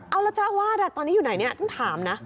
เอาแล้วเจ้าอาวาสตอนนี้อยู่ไหนเนี่ยต้องถามนะ